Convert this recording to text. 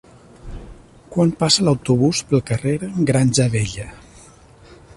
Quan passa l'autobús pel carrer Granja Vella?